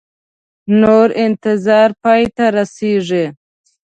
نور انتظار پای ته رسیږي